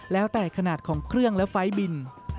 แล้วแต่ขนาดของเครื่องและไฟล์บิน